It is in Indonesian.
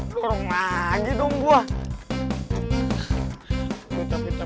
harus diperbaiki ya